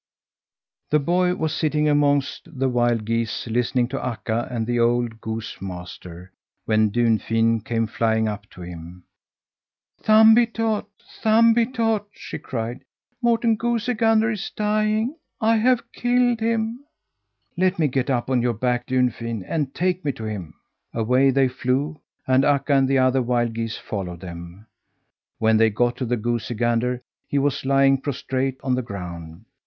The boy was sitting amongst the wild geese, listening to Akka and the old goose master, when Dunfin came flying up to him. "Thumbietot, Thumbietot!" she cried. "Morten Goosey Gander is dying! I have killed him!" "Let me get up on your back, Dunfin, and take me to him!" Away they flew, and Akka and the other wild geese followed them. When they got to the goosey gander, he was lying prostrate on the ground.